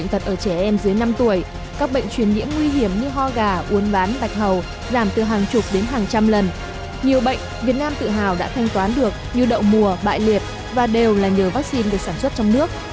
nhiều bệnh việt nam tự hào đã thanh toán được như đậu mùa bại liệt và đều là nhờ vaccine được sản xuất trong nước